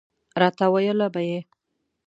راته ویله به یې.